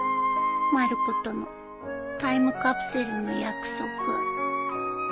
まる子とのタイムカプセルの約束